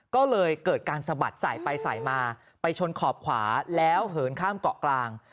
ก็เลยเกิดการสะบัดสายไปสายมาไปชนขอบขวาแล้วเหินข้ามเกาะกลาง